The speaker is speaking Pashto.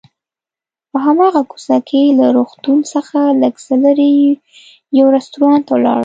په هماغه کوڅه کې له روغتون څخه لږ څه لرې یو رستورانت ته ولاړم.